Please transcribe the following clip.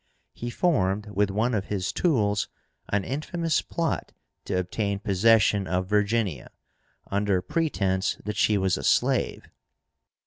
He formed, with one of his tools, an infamous plot to obtain possession of Virginia, under pretence that she was a slave.